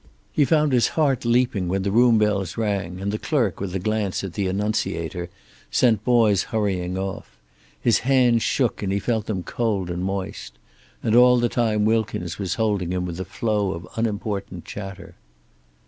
He found his heart leaping when the room bells rang, and the clerk, with a glance at the annunciator, sent boys hurrying off. His hands shook, and he felt them cold and moist. And all the time Wilkins was holding him with a flow of unimportant chatter.